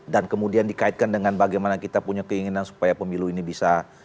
dan kemudian dikaitkan dengan bagaimana kita punya keinginan supaya pemilu ini bisa